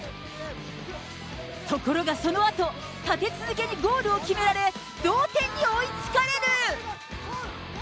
ところがそのあと、立て続けにゴールを決められ、同点に追いつかれる。